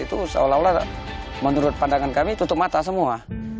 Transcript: itu seolah olah menurut pandangan kami tutup mata semua